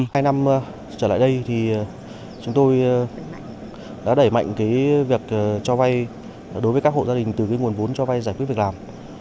hai năm trở lại đây thì chúng tôi đã đẩy mạnh cái việc cho vay đối với các hộ gia đình từ cái nguồn vốn cho vay giải quyết việc làm